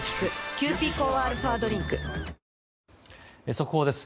速報です。